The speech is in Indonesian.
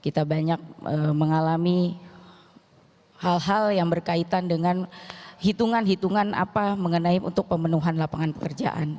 kita banyak mengalami hal hal yang berkaitan dengan hitungan hitungan apa mengenai untuk pemenuhan lapangan pekerjaan